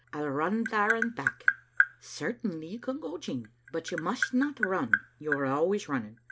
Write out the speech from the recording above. I'll run there and back." " Certainly you can go, Jean, but you must not run. You are always running.